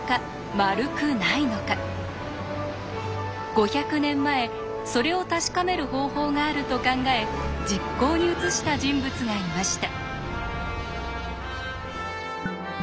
５００年前それを確かめる方法があると考え実行に移した人物がいました。